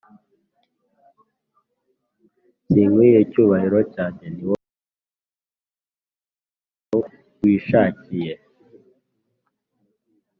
Snkwiye icyubahiro cyanjye ni wowe ushyira hejuru umutwe wishakiye